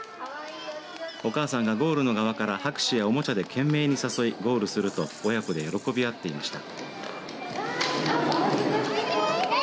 お母さんが、ゴールの側から拍手やおもちゃで懸命に誘いゴールすると親子で喜び合っていました。